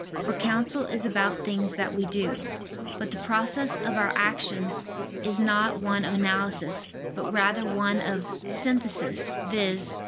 For counsel is about things that we do. But the process of our actions is not one of analysis, but rather one of synthesis, viz.